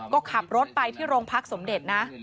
ก็ขับรถไปที่โรงพักสมเด็จนะ